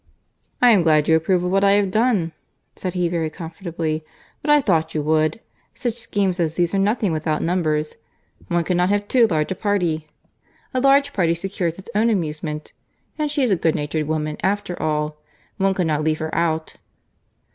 "I am glad you approve of what I have done," said he very comfortably. "But I thought you would. Such schemes as these are nothing without numbers. One cannot have too large a party. A large party secures its own amusement. And she is a good natured woman after all. One could not leave her out."